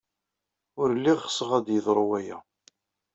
Ur lliɣ ɣseɣ ad yeḍru waya.